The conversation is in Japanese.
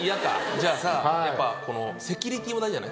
じゃあさやっぱこのセキュリティーも大事じゃない？